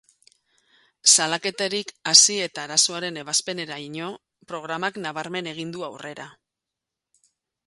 Salaketatik hasi eta arazoaren ebazpeneraino, programak nabarmen egin du aurrera.